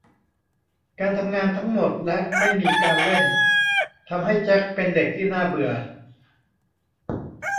การทำงานทั้งหมดและไม่มีการเล่นทำให้แจ็คเป็นเด็กที่น่าเบื่อ